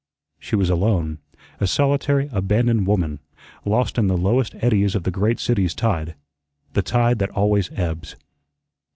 She was alone, a solitary, abandoned woman, lost in the lowest eddies of the great city's tide the tide that always ebbs.